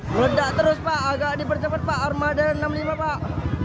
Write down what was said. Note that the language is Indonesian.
meledak terus pak agak dipercepat pak armada enam puluh lima pak